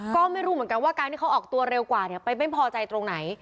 ก็ไม่รู้เหมือนกันว่าการที่เขาออกตัวเร็วกว่าไปไม่พอใจตรงไหน